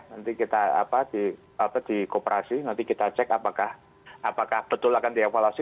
nanti kita di kooperasi nanti kita cek apakah betul akan dievaluasi